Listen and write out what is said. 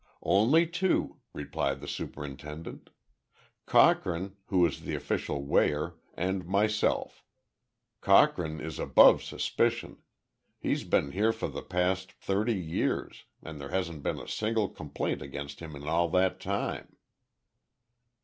"Only two," replied the superintendent. "Cochrane, who is the official weigher, and myself. Cochrane is above suspicion. He's been here for the past thirty years and there hasn't been a single complaint against him in all that time."